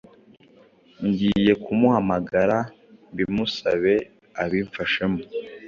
Ngiye kumuhamagara mbimusabe abimfashemo